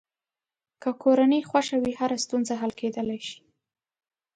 که کورنۍ خوښه وي، هره ستونزه حل کېدلی شي.